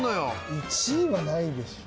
１位はないでしょ